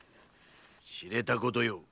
知れたことよ。